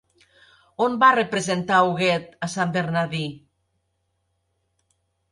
On va representar Huguet a sant Bernadí?